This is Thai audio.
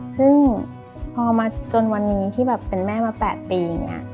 ซึ่งพอมาจนวันนี้ที่เป็นแม่มา๘ปี